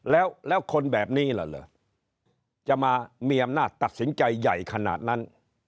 แล้วคนแบบนี้เหรอจะมามีอำนาจตัดสินใจใหญ่ขนาดนั้น